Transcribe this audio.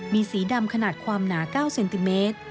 มีสีดำขนาดความหนา๙เซนติเมตร